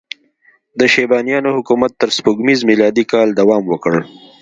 د شیبانیانو حکومت تر سپوږمیز میلادي کاله دوام وکړ.